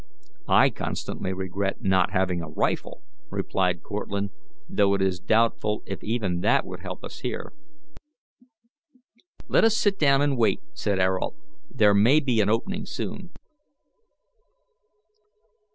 "I constantly regret not having a rifle," replied Cortlandt, "though it is doubtful if even that would help us here." "Let us sit down and wait," said Ayrault; "there may be an opening soon."